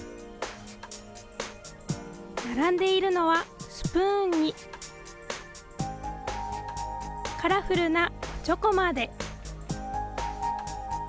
並んでいるのはスプーンに、カラフルなおちょこまで。